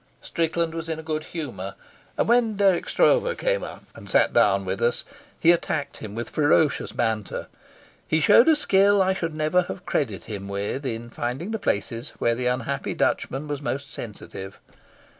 Strickland was in a good humour, and when Dirk Stroeve came up and sat down with us he attacked him with ferocious banter. He showed a skill I should never have credited him with in finding the places where the unhappy Dutchman was most sensitive.